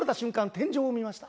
天井を見ました。